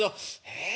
ええ？